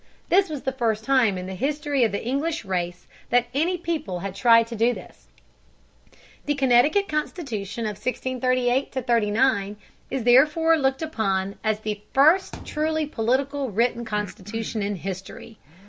This was the first time in the history of the English race that any people had tried to do this. The Connecticut constitution of 1638 39 is therefore looked upon as "the first truly political written constitution in history."